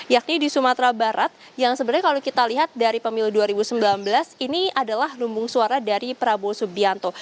yakni di sumatera barat yang sebenarnya kalau kita lihat dari pemilu dua ribu sembilan belas ini adalah lumbung suara dari prabowo subianto